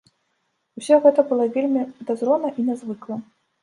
Усё гэта было вельмі падазрона і нязвыкла.